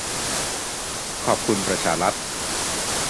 ขอบคุณประชารัฐ